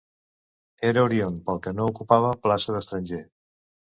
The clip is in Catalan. Era oriünd, pel que no ocupava plaça d'estranger.